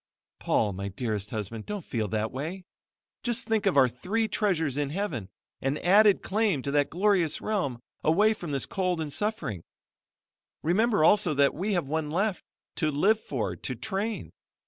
"Paul, my dear husband, don't feel that way. Just think of our three treasures in heaven, an added claim to that glorious realm, away from this cold and suffering. Remember also that we have one left, to live for, to train.